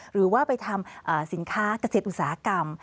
หรือว่าไปทำสินค้าเกษตรอุตสาหกรรม